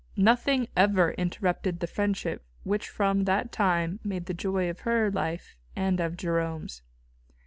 Nothing ever interrupted the friendship which from that time made the joy of her life and of Jerome's.